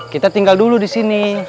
kita tinggal dulu disini